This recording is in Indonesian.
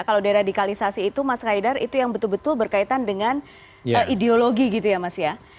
kalau deradikalisasi itu mas kaidar itu yang betul betul berkaitan dengan ideologi gitu ya mas ya